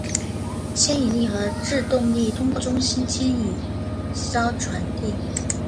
牵引力和制动力通过中心牵引销传递。